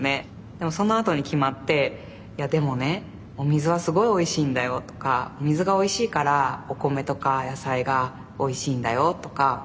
でもそのあとに決まって「いやでもねお水はすごいおいしいんだよ」とか「お水がおいしいからお米とか野菜がおいしいんだよ」とか。